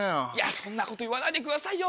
そんなこと言わないでくださいよ。